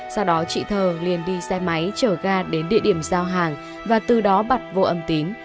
sau đó chị thờ liền đi xe máy chở gà đến địa điểm giao hàng và từ đó bật vô âm tính